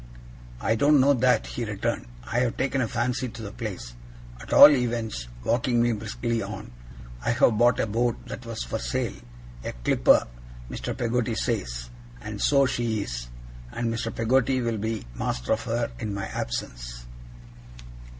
'I don't know that,' he returned. 'I have taken a fancy to the place. At all events,' walking me briskly on, 'I have bought a boat that was for sale a clipper, Mr. Peggotty says; and so she is and Mr. Peggotty will be master of her in my absence.